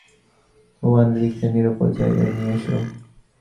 ওয়ানলিকে নিরাপদ জায়গায় নিয়ে এসো।